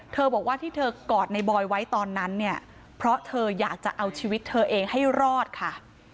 บอกว่าที่เธอกอดในบอยไว้ตอนนั้นเนี่ยเพราะเธออยากจะเอาชีวิตเธอเองให้รอดค่ะ